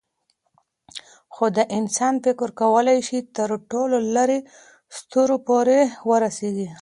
خو د انسان فکر کولی شي تر ټولو لیرې ستورو پورې ورسېږي.